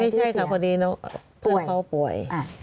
ไม่ใช่ค่ะพอดีเพื่อนเขาป่วย